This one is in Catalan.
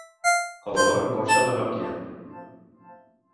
El valor en borsa de Nokia.